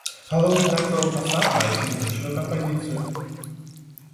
Галоўны тарцовы фасад мае сіметрычную кампазіцыю.